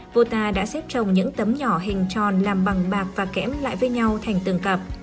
vua ta đã xếp trồng những tấm nhỏ hình tròn làm bằng bạc và kẽm lại với nhau thành từng cặp